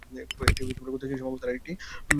এটি গতিশীল সাম্যাবস্থার আরেকটি উদাহরণ।